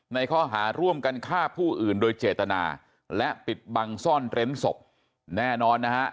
ข้อหาร่วมกันฆ่าผู้อื่นโดยเจตนาและปิดบังซ่อนเร้นศพแน่นอนนะฮะ